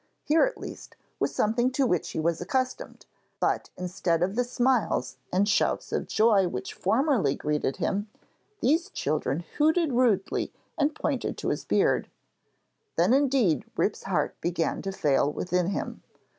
Here, at least, was something to which he was accustomed, but instead of the smiles and shouts of joy which formerly greeted him, these children hooted rudely, and pointed to his beard. Then indeed Rip's heart began to fail within him.